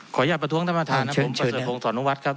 ขออนุญาตประท้วงท่านประธานครับผมประเสริมโครงสอนวัตรครับ